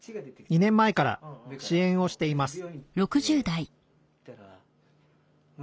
２年前から支援をしています